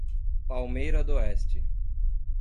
Palmeira d'Oeste